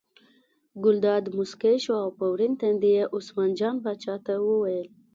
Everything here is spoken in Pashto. ګلداد موسکی شو او په ورین تندي یې عثمان جان پاچا ته وویل.